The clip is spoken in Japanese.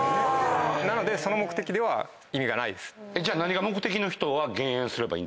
なのでその目的では意味がないです。